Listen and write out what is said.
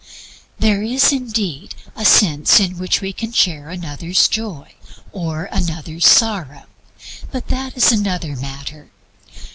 There is, indeed, a sense in which we can share another's joy or another's sorrow. But that is another matter.